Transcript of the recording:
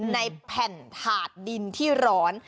ในแผ่นถาดดินที่ร้อน